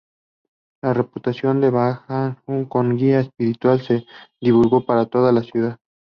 La reputación de Bahá'u'lláh como guía espiritual se divulgó por toda la ciudad.